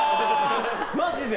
マジで。